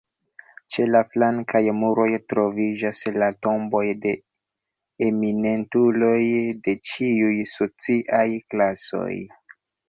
Ĉe la flankaj muroj troviĝas la tomboj de eminentuloj de ĉiuj sociaj klasoj.